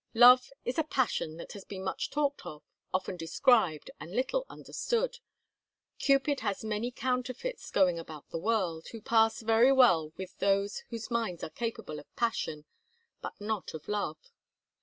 Love is a passion that has been much talked of, often described, and little understood. Cupid has many counterfeits going about the world, who pass very well with those whose minds are capable of passion, but not of love.